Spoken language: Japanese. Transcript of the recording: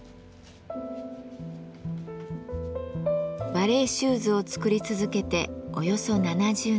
バレエシューズを作り続けておよそ７０年。